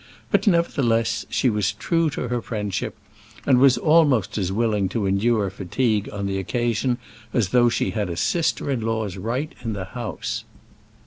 But, nevertheless, she was true to her friendship, and was almost as willing to endure fatigue on the occasion as though she had a sister in law's right in the house.